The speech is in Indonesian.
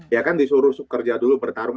ya kan disuruh kerja dulu bertarung